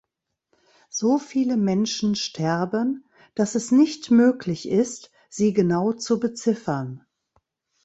So viele Menschen sterben, dass es nicht möglich ist, sie genau zu beziffern.